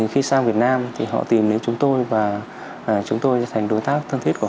khi sang việt nam thì họ tìm đến chúng tôi và chúng tôi thành đối tác thân thiết của